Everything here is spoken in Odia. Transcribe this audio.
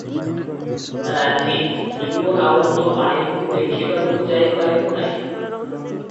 ରାଧୀ, ତୁ ଆଉ ତୋ ଆଈକୁ ଦେଖିବାକୁ ଯାଇ ପାରିବୁ ନାହିଁ ।